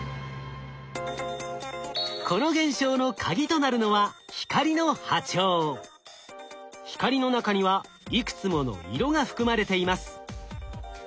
この現象のカギとなるのは光の中にはいくつもの色が含まれています。